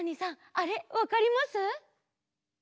あれわかります？